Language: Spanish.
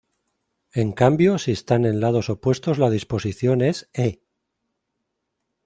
En cambio si están en lados opuestos la disposición es "E".